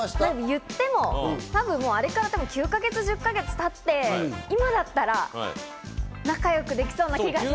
言ってもあれから９か月、１０か月経って、今だったら仲良くできそうな気がします。